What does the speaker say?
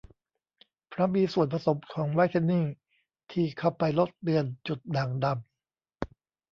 เพราะมีส่วนผสมของไวท์เทนนิ่งที่เข้าไปลดเลือนจุดด่างดำ